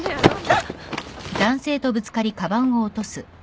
あっ。